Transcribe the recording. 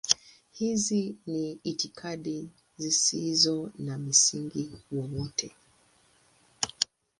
Hizi ni itikadi zisizo na msingi wowote.